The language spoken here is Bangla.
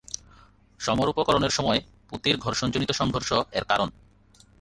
সমরূপকরণের সময় পুঁতির ঘর্ষণজনিত সংঘর্ষ এর কারণ।